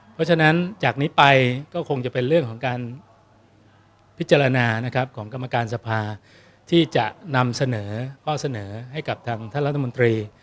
เพราะฉะนั้นจากนี้ไปก็คงจะเป็นเรื่องของการพิจารณานะครับของกรรมการสภาที่จะนำเสนอข้อเสนอให้กับทางท่านรัฐมนตรี